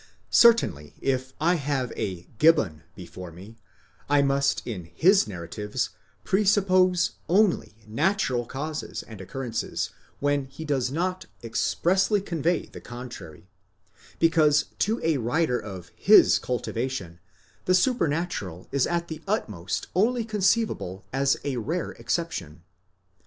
Certainly, if I have a Gibbon before me, I must in his narratives presuppose only natural causes and occurrences when he does not expressly convey the contrary, because to a writer of his cultivation, the supernatural is at the utmost only conceivable as a rare exception.